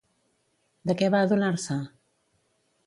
De què va adonar-se?